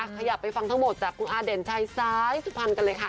ขยับไปฟังทั้งหมดจากคุณอาเด่นชัยซ้ายสุพรรณกันเลยค่ะ